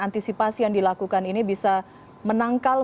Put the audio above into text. antisipasi yang dilakukan ini bisa menangkal